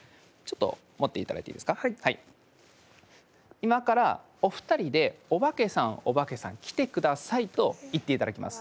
今からお二人で「お化けさんお化けさん来てください」と言っていただきます。